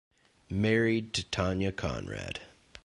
Married to Tanya Conrad.